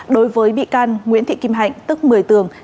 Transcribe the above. đối với bị can nguyễn thị kim hạnh tức một mươi tường